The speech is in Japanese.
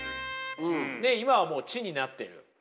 今はもう知になってる。